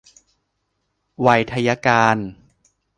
ไวทยการ